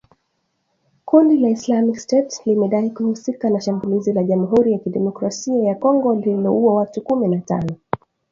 Kundi la Islamic State limedai kuhusika na shambulizi la Jamuhuri ya Kidemokrasia ya Congo lililouwa watu kumi na tano